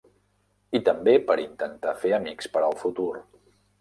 I també per intentar fer amics per al futur.